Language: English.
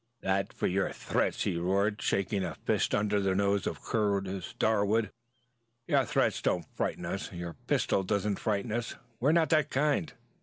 "That for your threats!" he roared, shaking a fist under the nose of Curtis Darwood. "Your threats don't frighten us. Your pistol doesn't frighten us. We're not that kind."